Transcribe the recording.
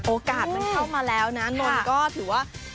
โอกาสมันเข้ามาแล้วนะนนท์ก็ถือว่า